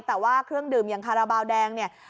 แต่ว่าเครื่องดื่มอย่างคาราบาลแดงเนี่ย